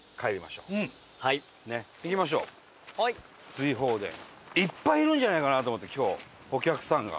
瑞鳳殿いっぱいいるんじゃないかなと思って今日お客さんが。